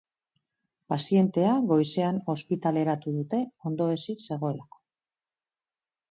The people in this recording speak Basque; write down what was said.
Pazientea goizean ospitaleratu dute ondoezik zegoelako.